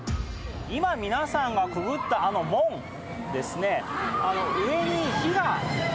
今皆さんがくぐったあの門ですね。